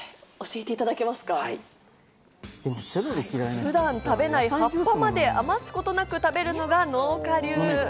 普段食べない葉っぱまであますことなく食べるのが農家流。